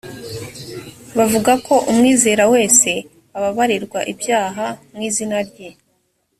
bavuga ko umwizera wese ababarirwa ibyaha mu izina rye